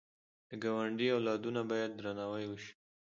د ګاونډي اولادونه باید درناوی وشي